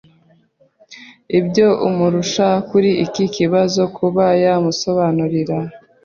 ibyo amurusha kuri iki kibazo kuba yamusobanurira